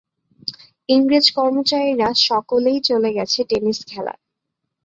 ইংরেজ কর্মচারীরা সকলেই চলে গেছে টেনিস খেলায়।